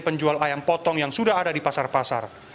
penjual ayam potong yang sudah ada di pasar pasar